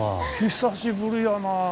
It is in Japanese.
久しぶりやな。